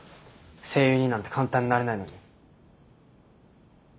声優になんて簡単になれないのに。